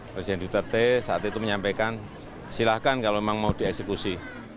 presiden duterte saat itu menyampaikan silahkan kalau memang mau dieksekusi